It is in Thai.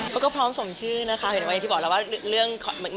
เพราะก็พร้อมสมชื่อนะคะเห็นไหมที่บอกเราว่าเล่งความใจ